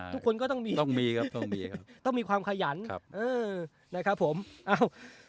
ทุกคนก็ต้องมีต้องมีครับต้องมีครับต้องมีความขยันครับเออนะครับผมเอ้า